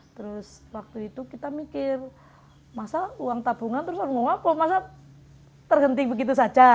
terus waktu itu kita mikir masa uang tabungan terus orang mau apa masa terhenti begitu saja